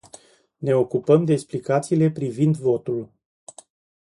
Ne ocupăm de explicațiile privind votul.